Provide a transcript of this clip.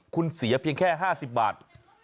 คุณเสียเพียงแค่๕๐บาท